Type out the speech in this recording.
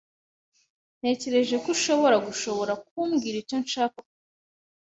Natekereje ko ushobora gushobora kumbwira icyo nshaka kumenya.